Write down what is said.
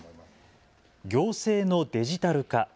行政のデジタル化。